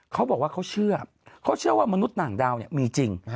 เขาบอกว่าเขาเชื่อเขาเชื่อว่ามนุษย์ต่างดาวเนี่ยมีจริง